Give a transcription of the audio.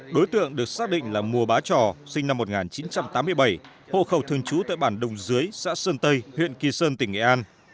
đối tượng được xác định là mùa bá trò sinh năm một nghìn chín trăm tám mươi bảy hộ khẩu thường trú tại bản đồng dưới xã sơn tây huyện kỳ sơn tỉnh nghệ an